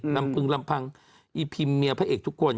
ลำพึงลำพังอีพิมเมียพระเอกทุกคน